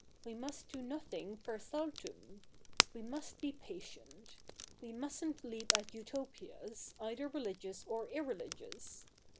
We must do nothing per saltum. We must be patient. We mustn't leap at Utopias, either religious or irreligious.